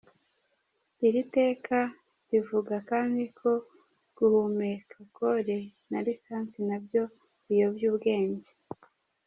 Iri Teka rivuga kandi ko guhumeka Kole na Lisansi na byo biyobya ubwenge.